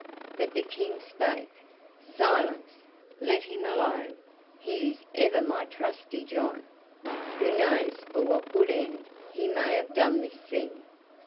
But the King spake: "Silence! let him alone; he is ever my most trusty John. Who knows for what good end he may have done this thing?"